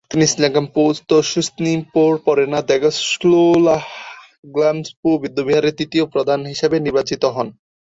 তিনি স্গোম-পো-ত্শুল-খ্রিম্স-স্ন্যিং-পোর পরে না দ্বাগ্স-ল্হা-স্গাম-পো বৌদ্ধবিহারের তৃতীয় প্রধান হিসেবে নির্বাচিত হন।